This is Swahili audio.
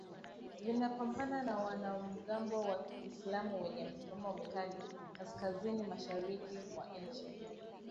vinapambana na wanamgambo wa kiislamu wenye msimamo mkali kaskazinimashariki mwa nchi